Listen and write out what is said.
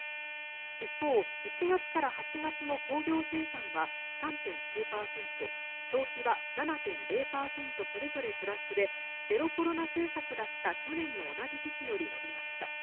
一方、１月から８月の工業生産は３．９％消費は７．０％それぞれプラスでゼロコロナ政策だった去年の同じ時期より伸びました。